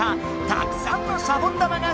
たくさんのシャボン玉が空にまった！